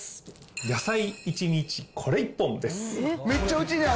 野菜一日これ一本です。